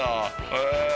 へえ。